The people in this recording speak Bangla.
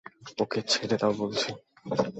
ওকে ছেড়ে দাও বলছি।